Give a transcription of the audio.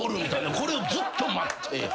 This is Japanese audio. これずっと待って。